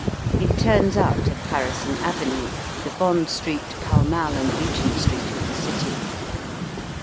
It turns out of Harrison Avenue, the Bond Street, Pall Mall, and Eegent Street of the city.